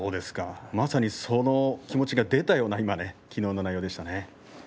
まさにその気持ちが出たようなきのうの内容でしたね。